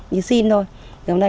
như xin thôi